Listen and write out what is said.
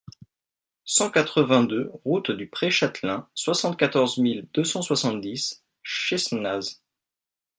cent quatre-vingt-deux route du Pré Chatelain, soixante-quatorze mille deux cent soixante-dix Chessenaz